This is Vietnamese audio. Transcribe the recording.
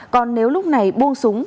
còn nếu lúc này buông súng